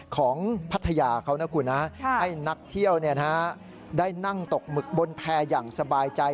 พัทยาเขานะคุณนะให้นักเที่ยวได้นั่งตกหมึกบนแพร่อย่างสบายใจ